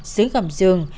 sứ gầm dường